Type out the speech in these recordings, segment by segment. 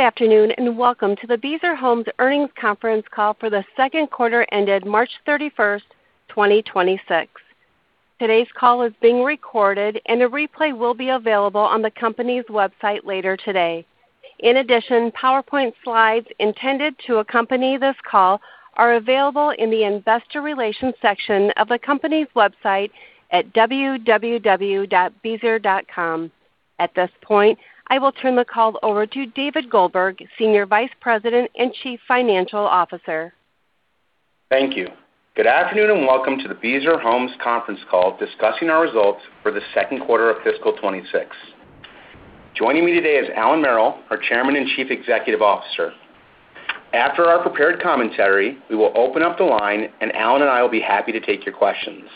Good afternoon, and welcome to the Beazer Homes Earnings Conference Call for the second quarter ended March 31st, 2026. Today's call is being recorded, and a replay will be available on the company's website later today. In addition, PowerPoint slides intended to accompany this call are available in the Investor Relations section of the company's website at www.beazer.com. At this point, I will turn the call over to David Goldberg, Senior Vice President and Chief Financial Officer. Thank you. Good afternoon, and welcome to the Beazer Homes conference call discussing our results for the second quarter of fiscal 2026. Joining me today is Allan Merrill, our Chairman and Chief Executive Officer. After our prepared commentary, we will open up the line and Allan and I will be happy to take your questions.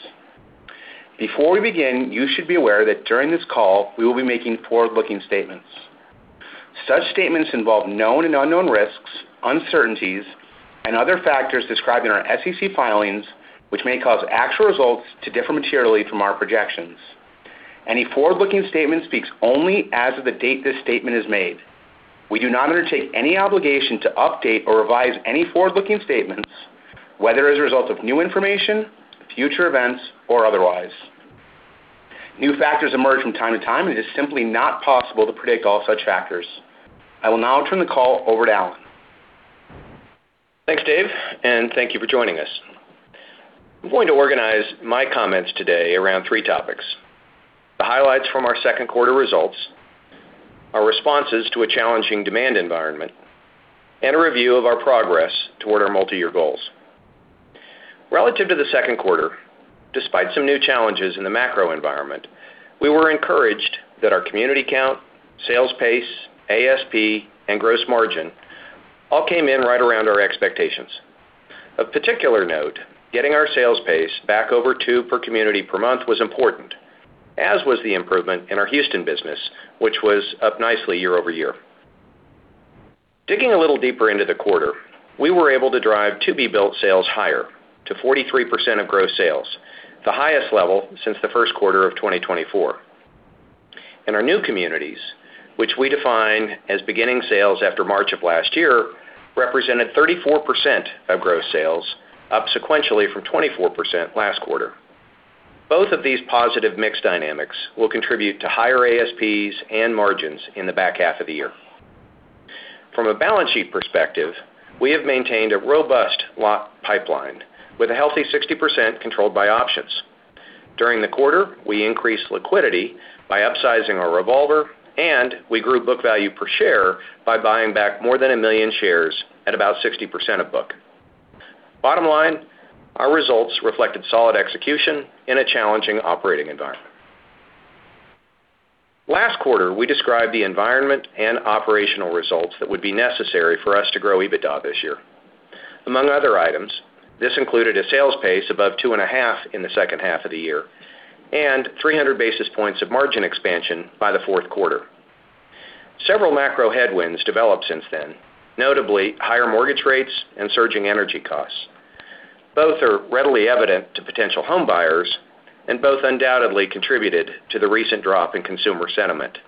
Before we begin, you should be aware that during this call, we will be making forward-looking statements. Such statements involve known and unknown risks, uncertainties, and other factors described in our SEC filings, which may cause actual results to differ materially from our projections. Any forward-looking statement speaks only as of the date this statement is made. We do not undertake any obligation to update or revise any forward-looking statements, whether as a result of new information, future events, or otherwise. New factors emerge from time to time, and it is simply not possible to predict all such factors. I will now turn the call over to Allan. Thanks, Dave, and thank you for joining us. I'm going to organize my comments today around three topics: the highlights from our second quarter results, our responses to a challenging demand environment, and a review of our progress toward our multi-year goals. Relative to the second quarter, despite some new challenges in the macro environment, we were encouraged that our community count, sales pace, ASP, and gross margin all came in right around our expectations. Of particular note, getting our sales pace back over two per community per month was important, as was the improvement in our Houston business, which was up nicely year-over-year. Digging a little deeper into the quarter, we were able to drive to-be-built sales higher to 43% of gross sales, the highest level since the first quarter of 2024. In our new communities, which we define as beginning sales after March of last year, represented 34% of gross sales, up sequentially from 24% last quarter. Both of these positive mix dynamics will contribute to higher ASPs and margins in the back half of the year. From a balance sheet perspective, we have maintained a robust lot pipeline with a healthy 60% controlled by options. During the quarter, we increased liquidity by upsizing our revolver, and we grew book value per share by buying back more than 1 million shares at about 60% of book. Bottom line, our results reflected solid execution in a challenging operating environment. Last quarter, we described the environment and operational results that would be necessary for us to grow EBITDA this year. Among other items, this included a sales pace above 2.5 in the second half of the year and 300 basis points of margin expansion by the fourth quarter. Several macro headwinds developed since then, notably higher mortgage rates and surging energy costs. Both are readily evident to potential homebuyers, and both undoubtedly contributed to the recent drop in consumer sentiment.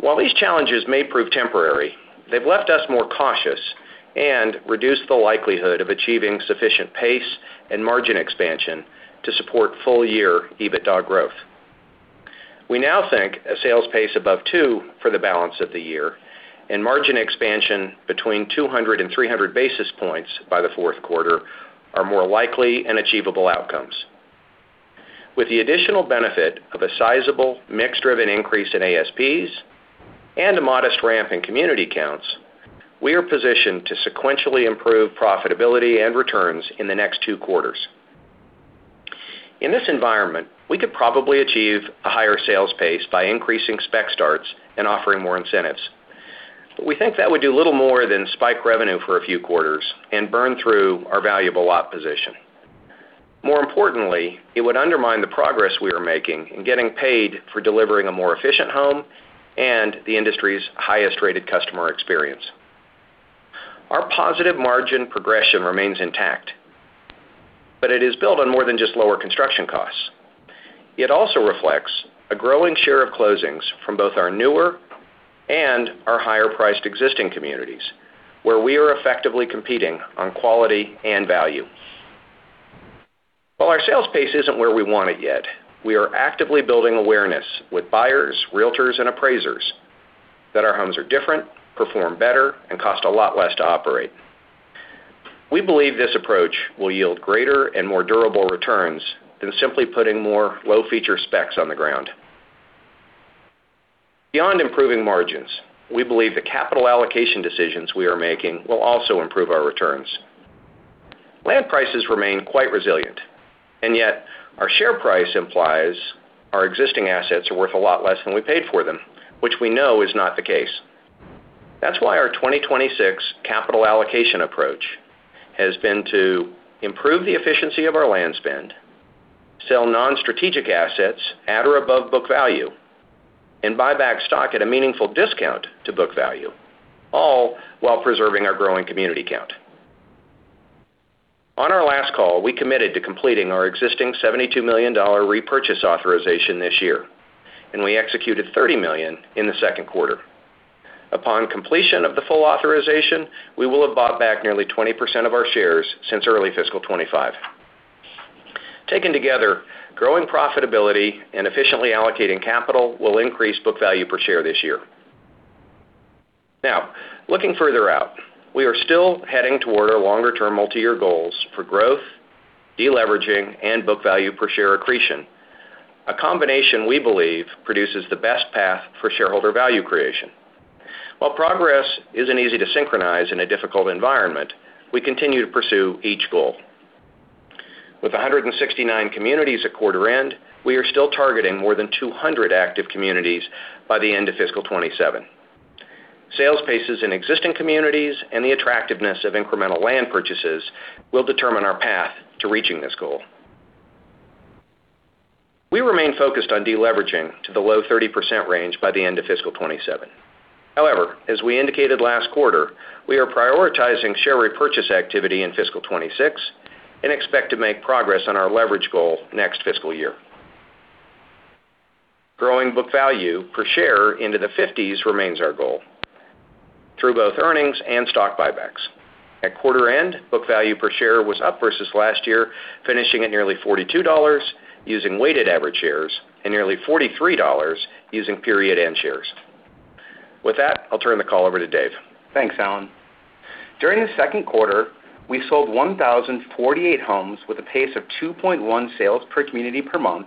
While these challenges may prove temporary, they've left us more cautious and reduced the likelihood of achieving sufficient pace and margin expansion to support full-year EBITDA growth. We now think a sales pace above two for the balance of the year and margin expansion between 200 and 300 basis points by the fourth quarter are more likely and achievable outcomes. With the additional benefit of a sizable mix-driven increase in ASPs and a modest ramp in community counts, we are positioned to sequentially improve profitability and returns in the next two quarters. In this environment, we could probably achieve a higher sales pace by increasing spec starts and offering more incentives. We think that would do little more than spike revenue for a few quarters and burn through our valuable lot position. More importantly, it would undermine the progress we are making in getting paid for delivering a more efficient home and the industry's highest-rated customer experience. Our positive margin progression remains intact, but it is built on more than just lower construction costs. It also reflects a growing share of closings from both our newer and our higher-priced existing communities, where we are effectively competing on quality and value. While our sales pace isn't where we want it yet, we are actively building awareness with buyers, realtors, and appraisers that our homes are different, perform better, and cost a lot less to operate. We believe this approach will yield greater and more durable returns than simply putting more low-feature specs on the ground. Beyond improving margins, we believe the capital allocation decisions we are making will also improve our returns. Land prices remain quite resilient, and yet our share price implies our existing assets are worth a lot less than we paid for them, which we know is not the case. That's why our 2026 capital allocation approach has been to improve the efficiency of our land spend, sell non-strategic assets at or above book value, and buy back stock at a meaningful discount to book value, all while preserving our growing community count. On our last call, we committed to completing our existing $72 million repurchase authorization this year, and we executed $30 million in the second quarter. Upon completion of the full authorization, we will have bought back nearly 20% of our shares since early fiscal 2025. Taken together, growing profitability and efficiently allocating capital will increase book value per share this year. Now, looking further out, we are still heading toward our longer-term multi-year goals for growth, de-leveraging and book value per share accretion. A combination we believe produces the best path for shareholder value creation. While progress isn't easy to synchronize in a difficult environment, we continue to pursue each goal. With 169 communities at quarter end, we are still targeting more than 200 active communities by the end of fiscal 2027. Sales paces in existing communities and the attractiveness of incremental land purchases will determine our path to reaching this goal. We remain focused on deleveraging to the low 30% range by the end of fiscal 2027. However, as we indicated last quarter, we are prioritizing share repurchase activity in fiscal 2026 and expect to make progress on our leverage goal next fiscal year. Growing book value per share into the 50s remains our goal through both earnings and stock buybacks. At quarter end, book value per share was up versus last year, finishing at nearly $42 using weighted average shares and nearly $43 using period end shares. With that, I'll turn the call over to Dave. Thanks, Allan. During the second quarter, we sold 1,048 homes with a pace of 2.1 sales per community per month,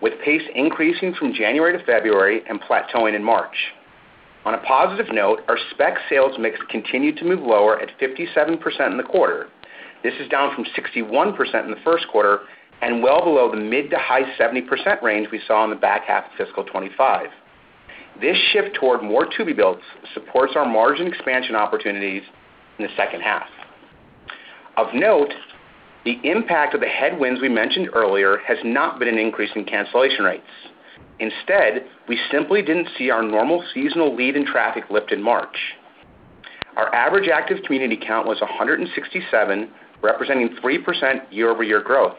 with pace increasing from January to February and plateauing in March. On a positive note, our spec sales mix continued to move lower at 57% in the quarter. This is down from 61% in the first quarter and well below the mid to high 70% range we saw in the back half of fiscal 2025. This shift toward more to-be-builds supports our margin expansion opportunities in the second half. Of note, the impact of the headwinds we mentioned earlier has not been an increase in cancellation rates. Instead, we simply didn't see our normal seasonal lead in traffic lift in March. Our average active community count was 167, representing 3% year-over-year growth.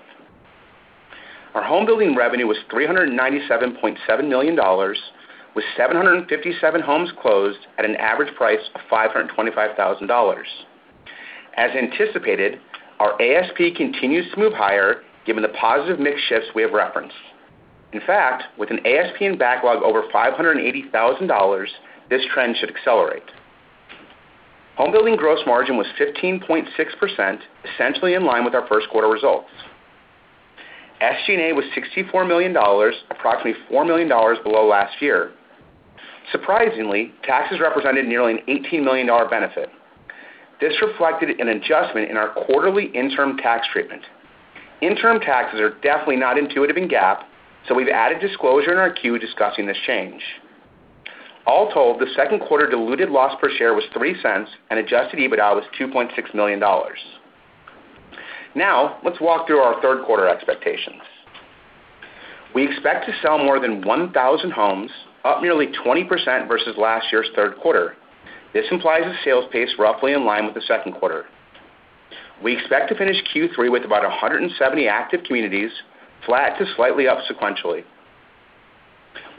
Our home building revenue was $397.7 million, with 757 homes closed at an average price of $525,000. As anticipated, our ASP continues to move higher given the positive mix shifts we have referenced. In fact, with an ASP and backlog over $580,000, this trend should accelerate. Home building gross margin was 15.6%, essentially in line with our first quarter results. SG&A was $64 million, approximately $4 million below last year. Surprisingly, taxes represented nearly an $18 million benefit. This reflected an adjustment in our quarterly interim tax treatment. Interim taxes are definitely not intuitive in GAAP, so we've added disclosure in our Q discussing this change. All told, the second quarter diluted loss per share was $0.03, and adjusted EBITDA was $2.6 million. Let's walk through our third quarter expectations. We expect to sell more than 1,000 homes, up nearly 20% versus last year's third quarter. This implies a sales pace roughly in line with the second quarter. We expect to finish Q3 with about 170 active communities, flat to slightly up sequentially.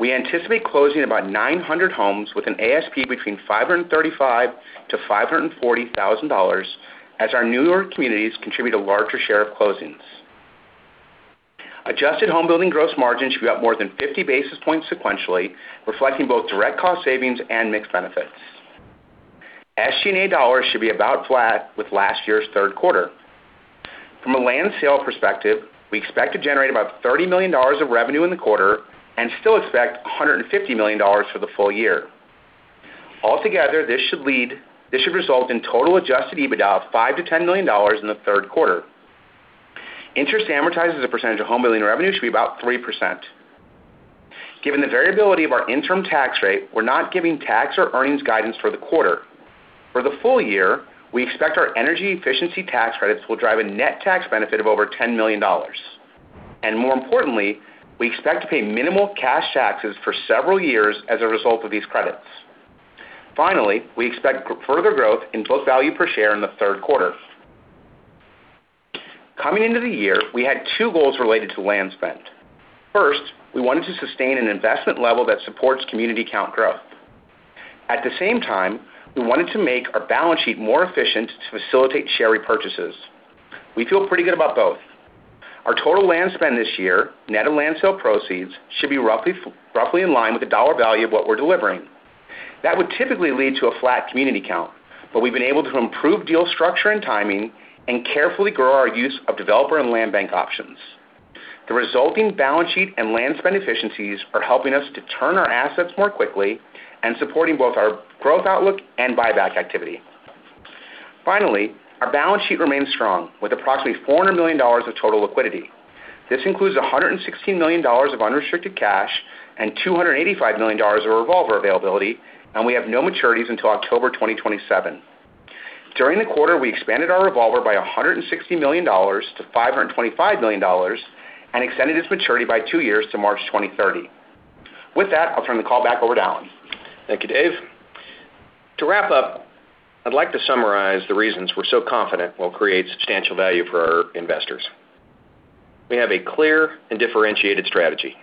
We anticipate closing about 900 homes with an ASP between $535,000-$540,000 as our newer communities contribute a larger share of closings. Adjusted home building gross margin should be up more than 50 basis points sequentially, reflecting both direct cost savings and mix benefits. SG&A dollars should be about flat with last year's third quarter. From a land sale perspective, we expect to generate about $30 million of revenue in the quarter and still expect $150 million for the full year. Altogether, this should result in total adjusted EBITDA of $5 million-$10 million in the third quarter. Interest amortized as a percentage of home building revenue should be about 3%. Given the variability of our interim tax rate, we're not giving tax or earnings guidance for the quarter. For the full year, we expect our energy efficiency tax credits will drive a net tax benefit of over $10 million. More importantly, we expect to pay minimal cash taxes for several years as a result of these credits. Finally, we expect further growth in book value per share in the third quarter. Coming into the year, we had two goals related to land spend. First, we wanted to sustain an investment level that supports community count growth. At the same time, we wanted to make our balance sheet more efficient to facilitate share repurchases. We feel pretty good about both. Our total land spend this year, net of land sale proceeds, should be roughly in line with the dollar value of what we're delivering. That would typically lead to a flat community count, but we've been able to improve deal structure and timing and carefully grow our use of developer and land bank options. The resulting balance sheet and land spend efficiencies are helping us to turn our assets more quickly and supporting both our growth outlook and buyback activity. Finally, our balance sheet remains strong with approximately $400 million of total liquidity. This includes $160 million of unrestricted cash and $285 million of revolver availability. We have no maturities until October 2027. During the quarter, we expanded our revolver by $160 million to $525 million and extended its maturity by two years to March 2030. With that, I'll turn the call back over to Allan. Thank you, Dave. To wrap up, I'd like to summarize the reasons we're so confident we'll create substantial value for our investors. We have a clear and differentiated strategy.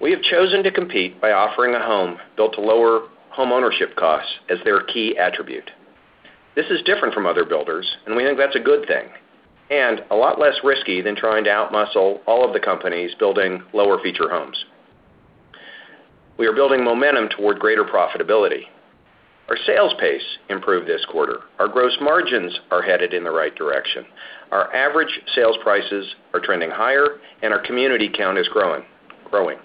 We have chosen to compete by offering a home built to lower homeownership costs as their key attribute. This is different from other builders, and we think that's a good thing and a lot less risky than trying to outmuscle all of the companies building lower feature homes. We are building momentum toward greater profitability. Our sales pace improved this quarter. Our gross margins are headed in the right direction. Our average sales prices are trending higher, and our community count is growing.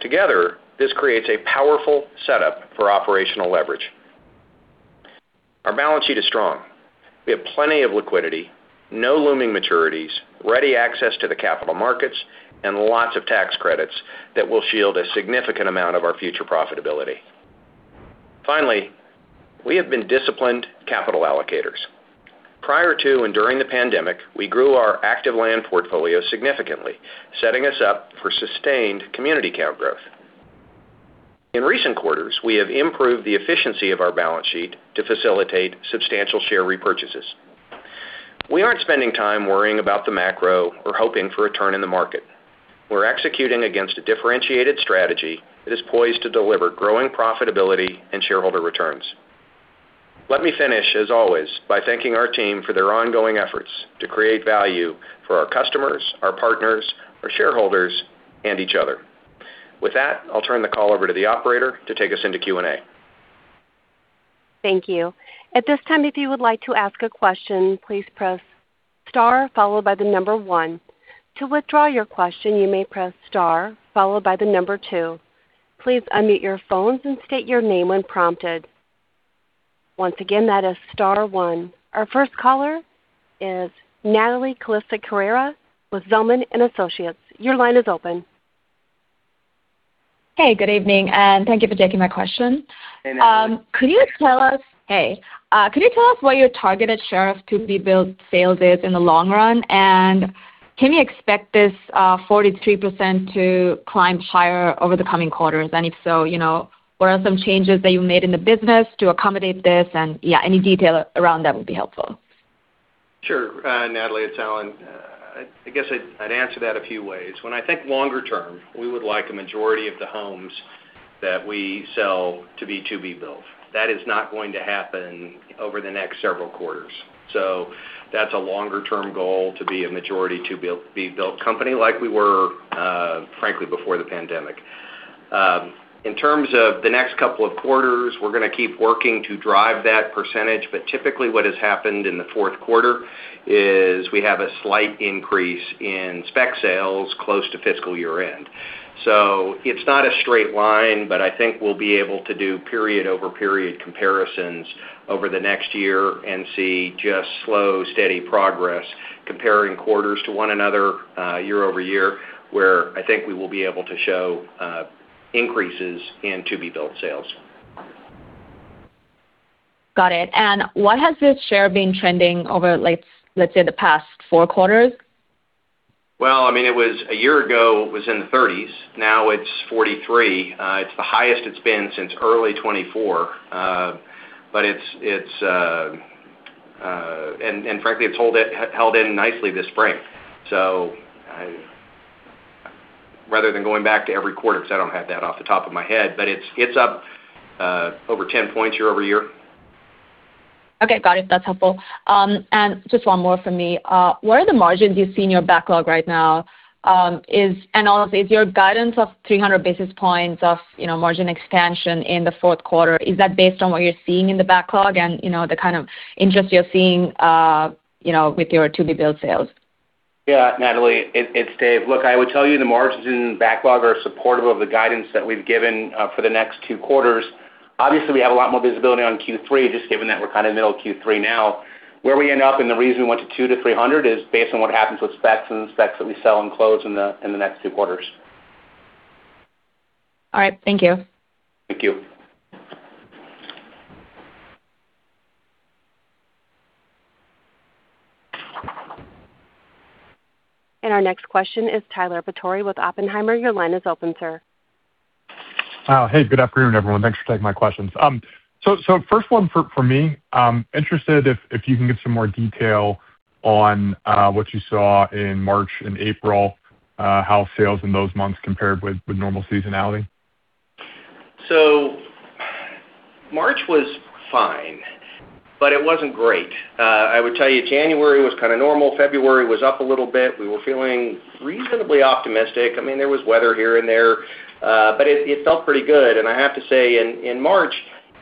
Together, this creates a powerful setup for operational leverage. Our balance sheet is strong. We have plenty of liquidity, no looming maturities, ready access to the capital markets, and lots of tax credits that will shield a significant amount of our future profitability. Finally, we have been disciplined capital allocators. Prior to and during the pandemic, we grew our active land portfolio significantly, setting us up for sustained community count growth. In recent quarters, we have improved the efficiency of our balance sheet to facilitate substantial share repurchases. We aren't spending time worrying about the macro or hoping for a turn in the market. We're executing against a differentiated strategy that is poised to deliver growing profitability and shareholder returns. Let me finish, as always, by thanking our team for their ongoing efforts to create value for our customers, our partners, our shareholders, and each other. With that, I'll turn the call over to the operator to take us into Q&A. Thank you. At this time, if you would like to ask a question, please press star followed by the number one. To withdraw your question, you may press star followed by the number two. Please unmute your phones and state your name when prompted. Once again, that is star one. Our first caller is Natalie Kulasekere with Zelman & Associates. Your line is open. Hey, good evening, and thank you for taking my question. Hey, Natalie. Could you tell us what your targeted share of to-be-built sales is in the long run? Can you expect this, 43% to climb higher over the coming quarters? If so, you know, what are some changes that you made in the business to accommodate this? Yeah, any detail around that would be helpful. Sure, Natalie, it's Allan. I guess I'd answer that a few ways. When I think longer term, we would like a majority of the homes that we sell to be to-be-built. That is not going to happen over the next several quarters. That's a longer-term goal, to be a majority to-be-built company like we were, frankly, before the pandemic. In terms of the next couple of quarters, we're gonna keep working to drive that percentage. Typically, what has happened in the fourth quarter is we have a slight increase in spec sales close to fiscal year-end. It's not a straight line, but I think we'll be able to do period-over-period comparisons over the next year and see just slow, steady progress comparing quarters to one another, year-over-year, where I think we will be able to show increases in to-be-built sales. Got it. What has this share been trending over, let's say, the past four quarters? A year ago, it was in the 30s. Now it's 43. It's the highest it's been since early 2024. Frankly, it's held in nicely this spring. Rather than going back to every quarter, 'cause I don't have that off the top of my head, it's up over 10 points year-over-year. Okay, got it. That's helpful. Just one more from me. What are the margins you see in your backlog right now? Is your guidance of 300 basis points of, you know, margin expansion in the fourth quarter, is that based on what you're seeing in the backlog and, you know, the kind of interest you're seeing, you know, with your to-be-built sales? Yeah, Natalie, it's Dave. Look, I would tell you the margins in backlog are supportive of the guidance that we've given for the next two quarters. Obviously, we have a lot more visibility on Q3, just given that we're kind of in the middle of Q3 now. Where we end up and the reason we went to 2 to 300 is based on what happens with specs and the specs that we sell and close in the next two quarters. All right. Thank you. Thank you. Our next question is Tyler Batory with Oppenheimer. Your line is open, sir. Hey, good afternoon, everyone. Thanks for taking my questions. First one for me, interested if you can give some more detail on what you saw in March and April, how sales in those months compared with normal seasonality. March was fine, but it wasn't great. I would tell you January was kinda normal. February was up a little bit. We were feeling reasonably optimistic. I mean, there was weather here and there, but it felt pretty good. I have to say in March,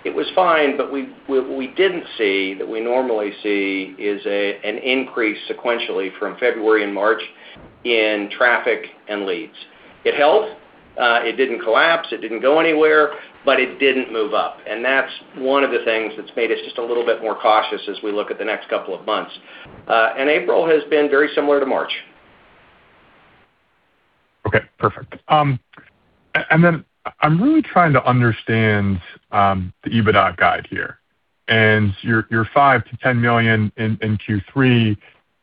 it was fine, but we didn't see that we normally see is a, an increase sequentially from February and March in traffic and leads. It held, it didn't collapse, it didn't go anywhere, but it didn't move up. That's one of the things that's made us just a little bit more cautious as we look at the next couple of months. April has been very similar to March. Okay, perfect. Then I'm really trying to understand the EBITDA guide here. Your $5 million-$10 million in Q3, you know,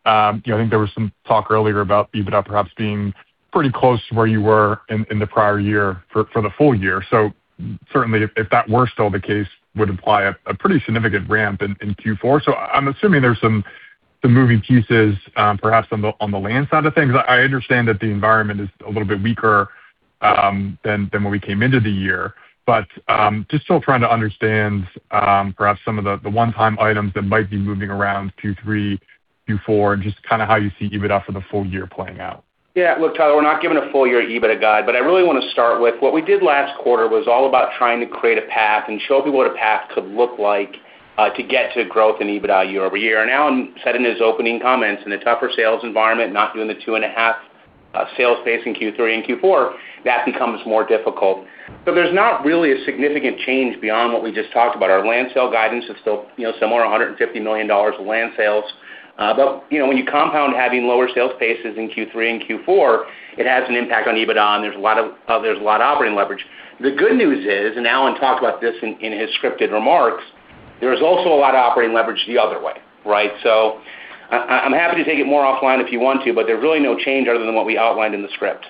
I think there was some talk earlier about EBITDA perhaps being pretty close to where you were in the prior year for the full year. Certainly, if that were still the case, would imply a pretty significant ramp in Q4. I'm assuming there's some moving pieces perhaps on the land side of things. I understand that the environment is a little bit weaker than when we came into the year. Just still trying to understand perhaps some of the one-time items that might be moving around Q3, Q4, and just kind of how you see EBITDA for the full year playing out. Yeah. Look, Tyler, we're not giving a full year EBITDA guide, but I really wanna start with what we did last quarter was all about trying to create a path and show people what a path could look like to get to growth in EBITDA year-over-year. Allan said in his opening comments, in a tougher sales environment, not doing the 2.5 sales pace in Q3 and Q4, that becomes more difficult. There's not really a significant change beyond what we just talked about. Our land sale guidance is still, you know, somewhere $150 million of land sales. But, you know, when you compound having lower sales paces in Q3 and Q4, it has an impact on EBITDA, and there's a lot of operating leverage. The good news is, Allan talked about this in his scripted remarks, there is also a lot of operating leverage the other way, right? I'm happy to take it more offline if you want to, but there's really no change other than what we outlined in the script.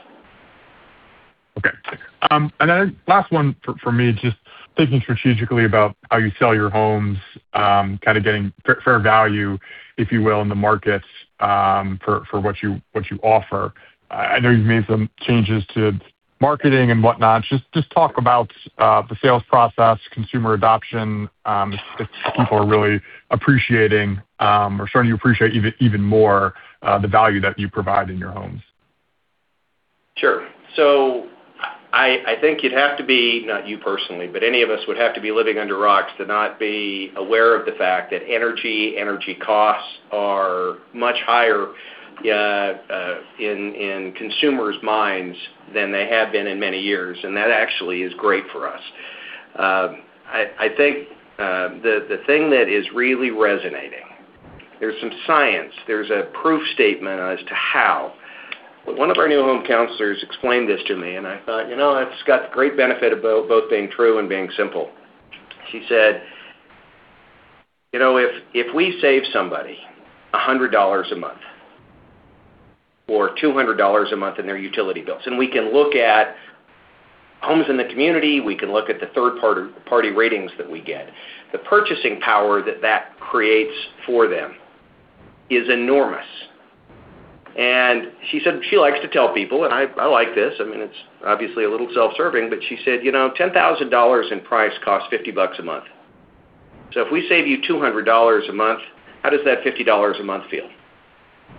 Okay. Last one for me, just thinking strategically about how you sell your homes, kind of getting fair value, if you will, in the markets, for what you offer. I know you've made some changes to marketing and whatnot. Just talk about the sales process, consumer adoption, if people are really appreciating, or starting to appreciate even more, the value that you provide in your homes. Sure. I think you'd have to be, not you personally, but any of us would have to be living under rocks to not be aware of the fact that energy costs are much higher in consumers' minds than they have been in many years, and that actually is great for us. I think the thing that is really resonating, there's some science, there's a proof statement as to how. One of our new home counselors explained this to me, and I thought, you know, it's got great benefit of both being true and being simple. She said, "You know, if we save somebody $100 a month or $200 a month in their utility bills, and we can look at homes in the community, we can look at the third party ratings that we get, the purchasing power that that creates for them is enormous." She said she likes to tell people, and I like this, I mean, it's obviously a little self-serving, but she said, "You know, $10,000 in price costs $50 bucks a month. If we save you $200 a month, how does that $50 a month feel?"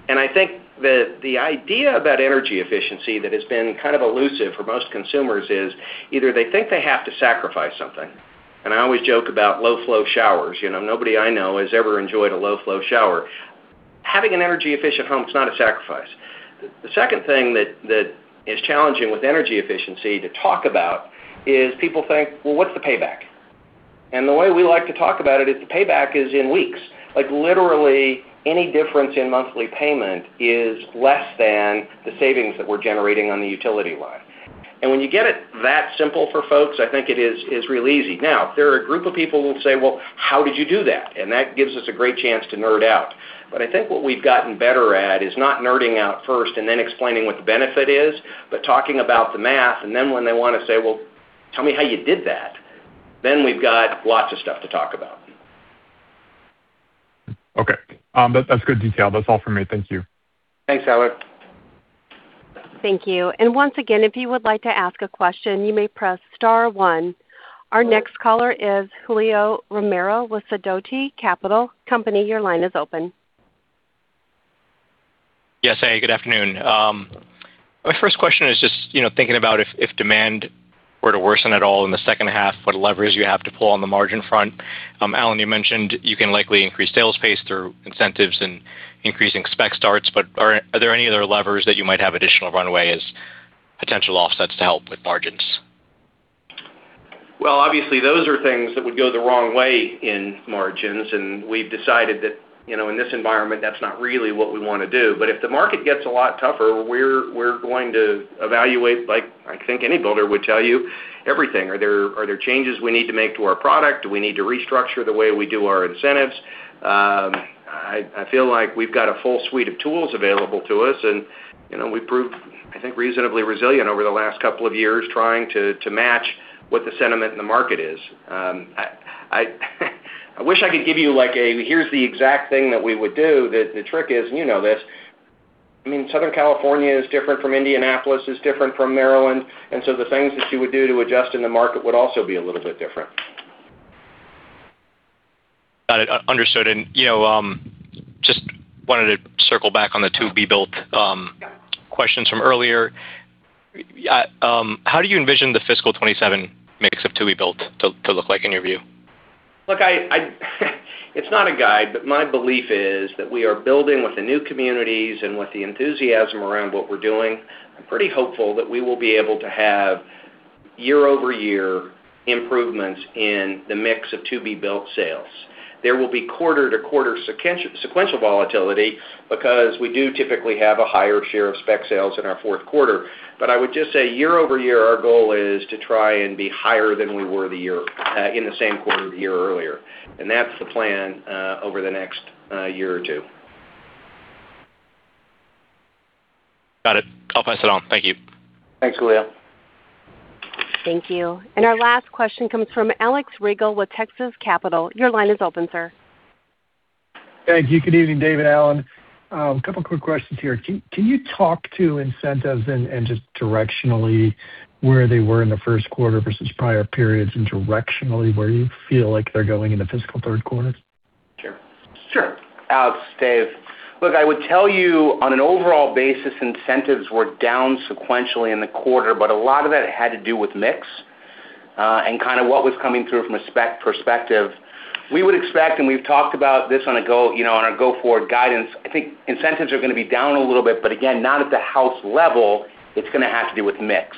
I think that the idea about energy efficiency that has been kind of elusive for most consumers is either they think they have to sacrifice something, and I always joke about low-flow showers. You know, nobody I know has ever enjoyed a low-flow shower. Having an energy-efficient home is not a sacrifice. The second thing that is challenging with energy efficiency to talk about is people think, "Well, what's the payback?" The way we like to talk about it is the payback is in weeks. Like, literally, any difference in monthly payment is less than the savings that we're generating on the utility line. When you get it that simple for folks, I think it is real easy. Now, there are a group of people who will say, "Well, how did you do that?" That gives us a great chance to nerd out. I think what we've gotten better at is not nerding out first and then explaining what the benefit is, but talking about the math, and then when they wanna say, "Well, tell me how you did that," then we've got lots of stuff to talk about. Okay. That's good detail. That's all for me. Thank you. Thanks, Tyler. Thank you, and once again if you would like to ask a question, you may press star one. Our next caller is Julio Romero with Sidoti & Company. Hey, good afternoon. My first question is just, you know, thinking about if demand were to worsen at all in the second half, what leverage you have to pull on the margin front. Allan, you mentioned you can likely increase sales pace through incentives and increasing spec starts, but are there any other levers that you might have additional runway as potential offsets to help with margins? Well, obviously, those are things that would go the wrong way in margins, and we've decided that, you know, in this environment, that's not really what we want to do. If the market gets a lot tougher, we're going to evaluate, like I think any builder would tell you, everything. Are there changes we need to make to our product? Do we need to restructure the way we do our incentives? I feel like we've got a full suite of tools available to us and, you know, we've proved, I think, reasonably resilient over the last couple of years trying to match what the sentiment in the market is. I wish I could give you like a here's the exact thing that we would do. The trick is, and you know this, I mean, Southern California is different from Indianapolis, is different from Maryland. The things that you would do to adjust in the market would also be a little bit different. Got it. Understood. You know, just wanted to circle back on the to-be-built questions from earlier. How do you envision the fiscal 2027 mix of to-be-built to look like in your view? Look, I it's not a guide, but my belief is that we are building with the new communities and with the enthusiasm around what we're doing. I'm pretty hopeful that we will be able to have year-over-year improvements in the mix of to-be-built sales. There will be quarter-over-quarter sequential volatility because we do typically have a higher share of spec sales in our fourth quarter. I would just say year-over-year, our goal is to try and be higher than we were the year in the same quarter the year earlier. That's the plan over the next year or two. Got it. I'll pass it on. Thank you. Thanks, Leo. Thank you. Our last question comes from Alex Rygiel with Texas Capital. Your line is open, sir. Thank you. Good evening, Dave and Allan. A couple quick questions here. Can you talk to incentives and just directionally where they were in the first quarter versus prior periods and directionally, where you feel like they're going in the fiscal third quarter? Sure. Sure. Alex, Dave. Look, I would tell you on an overall basis, incentives were down sequentially in the quarter, but a lot of that had to do with mix, and kinda what was coming through from a spec perspective. We would expect, and we've talked about this on a go, you know, on our go-forward guidance, I think incentives are gonna be down a little bit, but again, not at the house level. It's gonna have to do with mix.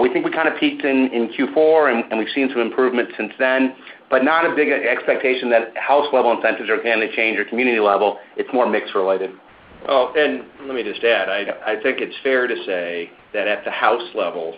We think we kinda peaked in Q4, and we've seen some improvement since then, but not a big expectation that house level incentives are gonna change or community level. It's more mix related. Let me just add. I think it's fair to say that at the house level,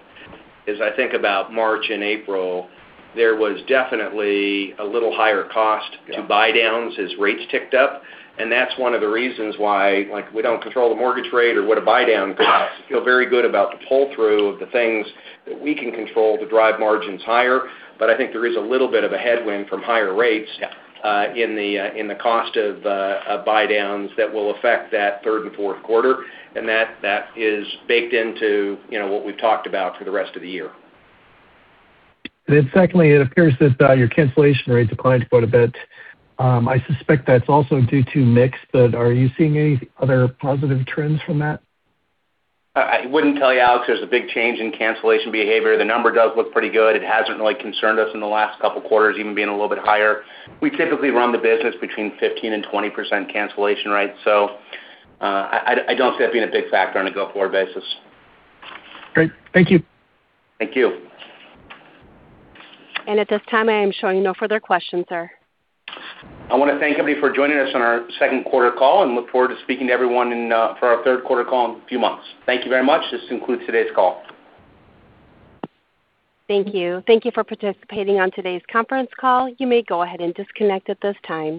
as I think about March and April, there was definitely a little higher cost- Yeah... to buydowns as rates ticked up, and that's one of the reasons why, like, we don't control the mortgage rate or what a buydown costs. We feel very good about the pull-through of the things that we can control to drive margins higher. I think there is a little bit of a headwind from higher rates. Yeah in the, in the cost of, buydowns that will affect that third and fourth quarter, and that is baked into, you know, what we've talked about for the rest of the year. Secondly, it appears that your cancellation rates declined quite a bit. I suspect that's also due to mix, but are you seeing any other positive trends from that? I wouldn't tell you, Alex, there's a big change in cancellation behavior. The number does look pretty good. It hasn't really concerned us in the last couple quarters, even being a little bit higher. We typically run the business between 15% and 20% cancellation rate. I don't see that being a big factor on a go-forward basis. Great. Thank you. Thank you. At this time, I am showing no further questions, sir. I wanna thank everybody for joining us on our second quarter call and look forward to speaking to everyone for our third quarter call in a few months. Thank you very much. This concludes today's call. Thank you. Thank you for participating on today's conference call. You may go ahead and disconnect at this time.